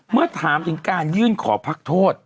เมื่อถามถึงการยื่นขอพักโทษ